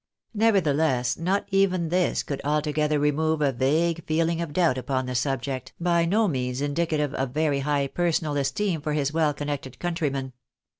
Never theless, not even this could altogether remove a vague feeling of doubt upon the subject, by no means indicative of very high personal esteem for his well connected countryman.